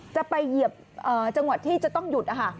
จะไปเหยียบจังหวัดที่จะต้องหยุด